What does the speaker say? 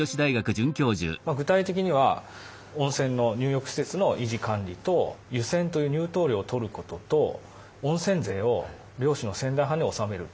具体的には温泉の入浴施設の維持管理と湯銭という入湯料を取ることと温泉税を領主の仙台藩に納める。